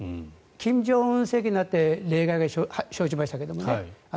金正恩政権になって例外が生じましたけどね。